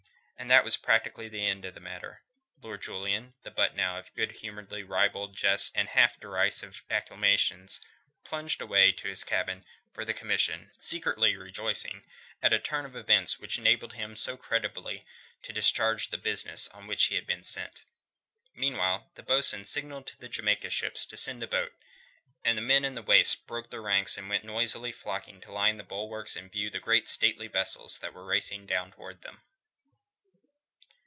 And that was practically the end of the matter. Lord Julian, the butt now of good humouredly ribald jests and half derisive acclamations, plunged away to his cabin for the commission, secretly rejoicing at a turn of events which enabled him so creditably to discharge the business on which he had been sent. Meanwhile the bo'sun signalled to the Jamaica ships to send a boat, and the men in the waist broke their ranks and went noisily flocking to line the bulwarks and view the great stately vessels that were racing down towards them.